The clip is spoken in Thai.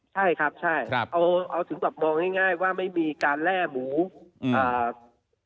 ใช่ครับใช่ครับเอาเอาถึงแบบมองง่ายง่ายว่าไม่มีการแร่หมูอ่า